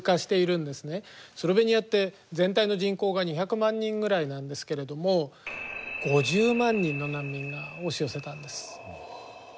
スロベニアって全体の人口が２００万人ぐらいなんですけれども５０万人の難民が押し寄せたんです。